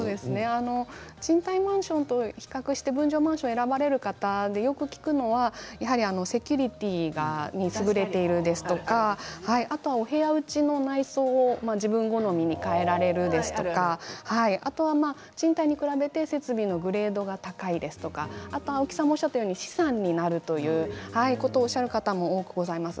賃貸マンションと比較して分譲マンションを選ばれる方がよく聞くのはやはりセキュリティーに優れているですとかあと内装を自分好みに変えられるとか賃貸に比べて設備のグレードが高いですとか青木さんもおっしゃったように資産になるということをおっしゃる方も多くございます。